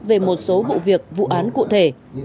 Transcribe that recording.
về một số vụ việc vụ án cụ thể